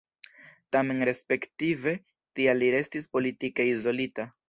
Tamen respektive tial li restis politike izolita.